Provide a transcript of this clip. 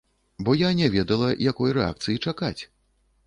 Бо я не ведала, якой рэакцыі чакаць.